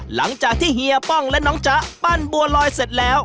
หลังจากที่เฮียป้องและน้องจ๊ะปั้นบัวลอยเสร็จแล้ว